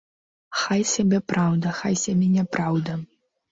Хай сабе праўда, хай сабе няпраўда.